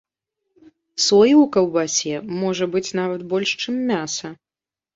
Соі ў каўбасе можа быць нават больш, чым мяса!